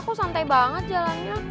kok santai banget jalannya